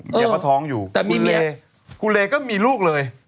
มาเป็นลูกอีก